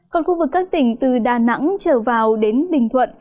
còn khu vực các tỉnh từ đà nẵng trở vào đến bình thuận